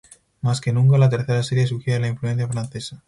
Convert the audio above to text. Más que nunca, la tercera serie sugiere la influencia francesa.